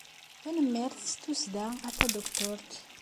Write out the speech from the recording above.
Tanemmirt s tussda, a Tadukturt.